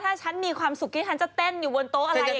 ถ้าฉันมีความสุขที่ฉันจะเต้นอยู่บนโต๊ะอะไร